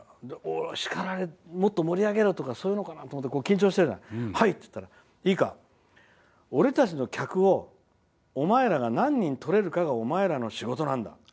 もっと盛り上げろとかってことかなって緊張してはいって言ったらいいか、俺たちの客をお前らが何人とれるかがお前らの仕事なんだ。